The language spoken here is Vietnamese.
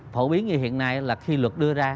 phổ biến như hiện nay là khi luật đưa ra